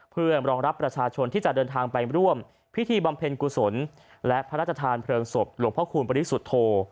เพื่อรองรับประชาชนที่จะเดินทางไปร่วมพิธีบำเพ็ญกุศลและพระราชทานเพลิงศพหลวงพระคูณปริสุทธโธ